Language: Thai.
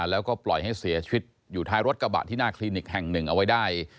แล้วก็ปล่อยให้เสียชีวิตอยู่ท้ายรถกระบะที่หน้าคลินิกแห่งหนึ่งเอาไว้ได้